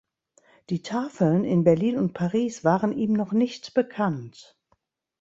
Die Tafeln in Berlin und Paris waren ihm noch nicht bekannt.